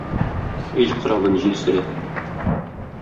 Ил корабын җил сөрә!..